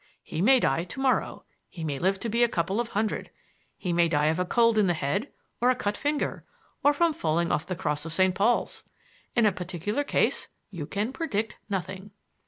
He may die to morrow; he may live to be a couple of hundred. He may die of a cold in the head or a cut finger, or from falling off the cross of St. Paul's. In a particular case you can predict nothing."